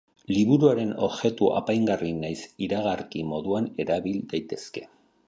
Liburuaren objektu apaingarri nahiz iragarki moduan erabil daitezke.